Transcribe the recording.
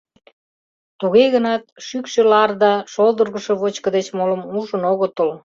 Туге гынат шӱкшӧ лар да шолдыргышо вочко деч молым ужын огытыл.